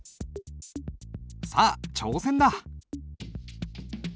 さあ挑戦だ。